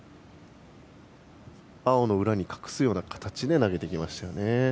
青の裏に隠すような形で投げてきましたよね。